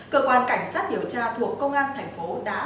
cơ quan cảnh sát điều tra thuộc công an thành phố đã